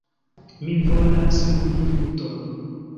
Mi volas ludi fluton.